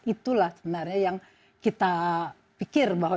itulah sebenarnya yang kita pikir bahwa